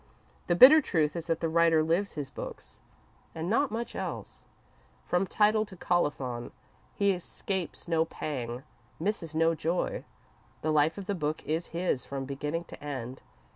The bitter truth is that the writer lives his books and not much else. From title to colophon, he escapes no pang, misses no joy. The life of the book is his from beginning to end.